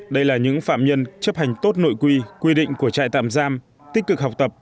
đây là những phạm nhân chấp hành tốt nội quy quy định của trại tạm giam tích cực học tập